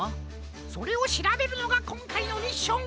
それをしらべるのがこんかいのミッション！